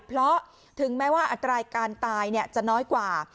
เพราะถึงแม้ว่าอัตราการตายจะน้อยกว่า